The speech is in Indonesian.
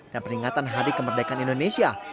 dan peringatan hari kemerdekaan indonesia